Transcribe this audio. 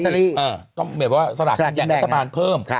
สลากไม่ได้จากตักรารเพิ่ม